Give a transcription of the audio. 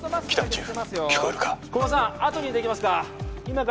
駒場さんあとにできますか？